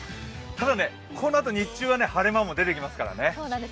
ただ、このあと日中は晴れ間も出てきますからね。